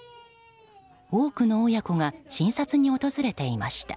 多くの親子が診察に訪れていました。